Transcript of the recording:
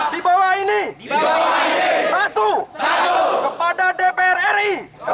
di bawah ini satu kepada dprri